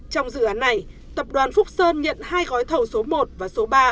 trong dự án này tập đoàn phúc sơn nhận hai gói thầu số một và số ba